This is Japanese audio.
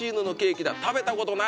食べたことない！」